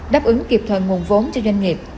đáp ứng kịp thời nguồn vốn cho doanh nghiệp